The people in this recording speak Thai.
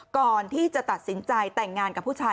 ก่อนที่จะตัดสินใจแต่งงานกับผู้ชาย